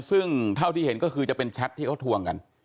ซึ่งเท่าที่เห็นก็คือจะเป็นแชทที่เขาทวงกัน